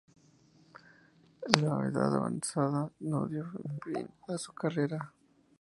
La edad avanzada no dio fin a su carrera.